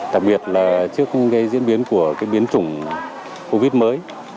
đặc biệt là trước cái diễn biến của cái biến chủng covid mới